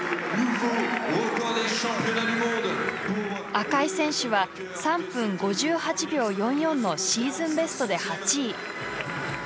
赤井選手は３分５８秒４４のシーズンベストで８位。